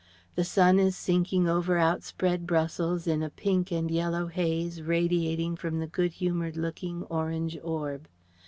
The sun is sinking over outspread Brussels in a pink and yellow haze radiating from the good humoured looking, orange orb.